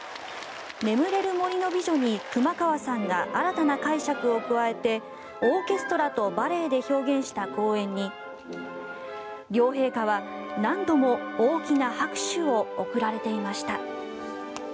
「眠れる森の美女」に熊川さんが新たな解釈を加えてオーケストラとバレエで表現した公演に両陛下は何度も大きな拍手を送られていました。